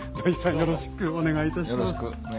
よろしくお願いします。